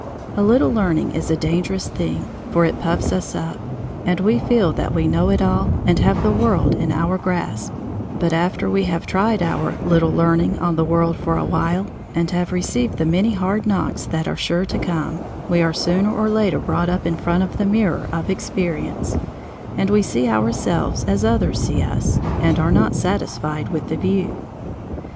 "A little learning is a dangerous thing" for it puffs us up, and we feel that we know it all and have the world in our grasp; but after we have tried our "little learning" on the world for a while and have received the many hard knocks that are sure to come, we are sooner or later brought up in front of the mirror of experience, and we "see ourselves as others see us," and are not satisfied with the view.